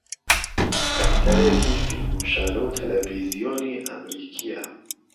ئەکتەرێکی فیلم و شانۆ و تەلەڤیزیۆنی ئەمریکییە